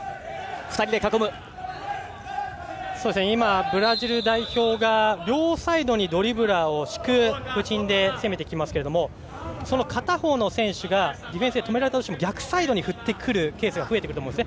今、ブラジル代表が両サイドにドリブラーを敷く布陣で攻めてきますけれども片方の選手がディフェンスで止められても逆サイドに振るケースが増えてくると思います。